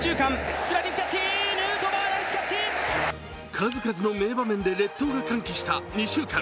数々の名場面で列島が歓喜した２週間。